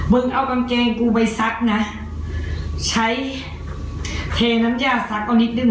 เอากางเกงกูไปซักนะใช้เทน้ำย่างซักเอานิดนึง